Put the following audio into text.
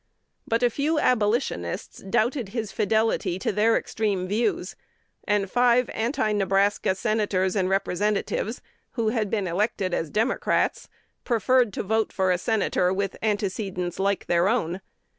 But a few Abolitionists doubted his fidelity to their extreme views; and five Anti Nebraska Senators and Representatives, who had been elected as Democrats, preferred to vote for a Senator with antecedents like their own.